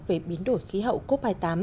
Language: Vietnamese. về biến đổi khí hậu cop hai mươi tám